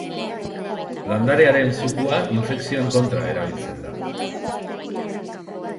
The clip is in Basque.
Landarearen zukua infekzioen kontra erabiltzen da.